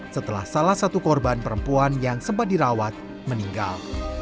setelah salah satu korban perempuan yang sempat dirawat meninggal